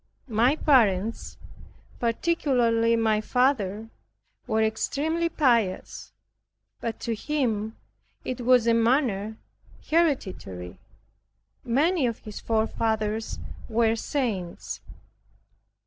My parents, particularly my father, was extremely pious; but to him it was a manner hereditary. Many of his forefathers were saints.